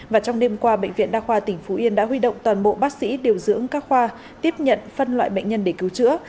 và trong đêm qua bệnh viện đa khoa tỉnh phú yên đã huy động toàn bộ bác sĩ điều dưỡng các khoa tiếp nhận phân loại bệnh nhân để cứu chữa